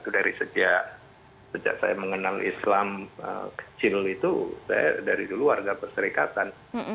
dari sejak saya mengenal islam kecil itu saya dari dulu warga perserikatan